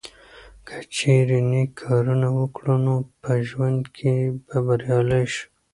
که چیرې نیک کارونه وکړو نو په ژوند کې به بریالي شو.